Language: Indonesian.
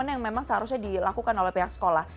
yang memang seharusnya dilakukan oleh pihak sekolah